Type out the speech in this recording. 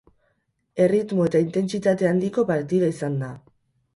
Erritmo eta intentsitate handiko partida izan da.